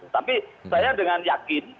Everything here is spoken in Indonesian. tapi saya dengan yakin